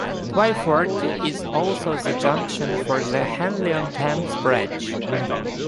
Twyford is also the junction for the Henley-on-Thames branch.